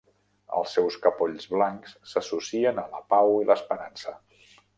Els seus capolls blancs s'associen a la pau i l'esperança.